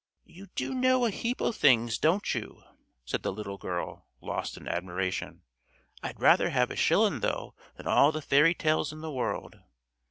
"You do know a heap o' things, don't you?" said the little girl, lost in admiration. "I'd rather have a shillin' though than all the fairy tales in the world."